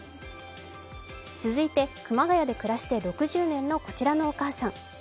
続いて熊谷で暮らして６０年のこちらのお母さん。